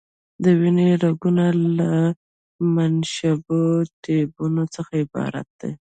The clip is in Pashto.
د وینې رګونه له منشعبو ټیوبونو څخه عبارت دي.